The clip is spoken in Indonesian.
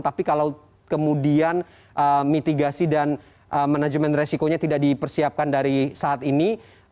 tapi kalau kemudian mitigasi dan manajemen resikonya tidak dipersiapkan dari saat ini